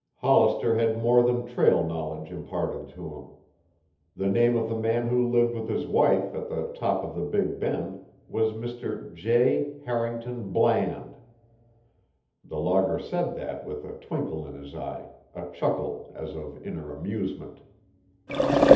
Hollister had more than trail knowledge imparted to him. The name of the man who lived with his wife at the top of the Big Bend was Mr. J. Harrington Bland; the logger said that with a twinkle in his eye, a chuckle as of inner amusement.